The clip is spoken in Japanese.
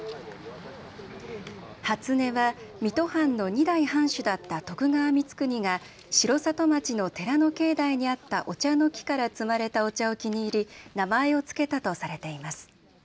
初音は水戸藩の２代藩主だった徳川光圀が城里町の寺の境内にあったお茶の木から摘まれたお茶を気に入り、名前を付けたとされています。